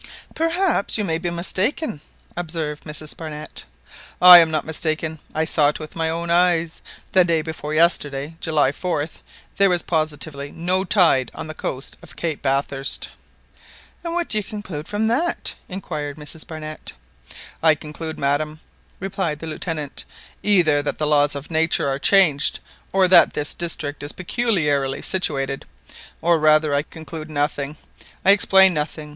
"Perhaps you may be mistaken observed Mrs Barnett. "I am not mistaken. I saw it with my own eyes. The day before yesterday, July 4th, there was positively no tide on the coast of Cape Bathurst." "And what do you conclude from that?" inquired Mrs Barnett. "I conclude madam," replied the Lieutenant, "either that the laws of nature are changed, or that this district is very peculiarly situated ... or rather ... I conclude nothing ... I explain nothing